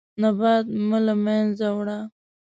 نبات مه له منځه وړه.